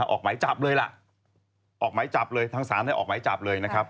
ออกหมายจับเลยล่ะออกหมายจับเลยทางศาลออกหมายจับเลยนะครับ